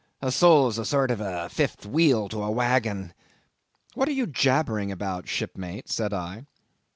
A soul's a sort of a fifth wheel to a wagon." "What are you jabbering about, shipmate?" said I.